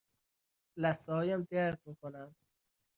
لثه هایم درد می کنند.